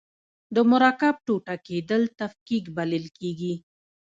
د مرکب ټوټه کیدل تفکیک بلل کیږي.